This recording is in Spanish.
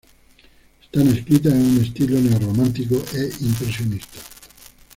Están escritas en un estilo neo-romántico e impresionista.